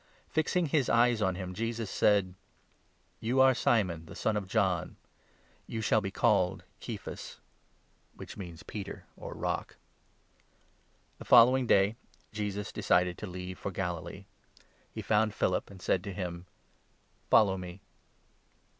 Fixing his eyes 42 on him, Jesus said :" You are Simon, the son of John ; you shall be called Kephas " (which means ' Peter,' or ' Rock '). The following day Jesus decided to leave for Galilee. He 43 found Philip, and said to 1iim :" Follow me."